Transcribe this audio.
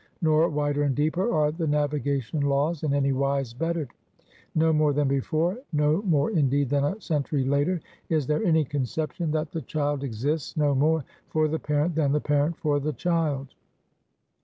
Nor, wider and deeper, are the Navigation Laws in any wise bettered. No more than before, no more indeed than a century later, is there any conception that the child exists no more for the parent than the parent for the child.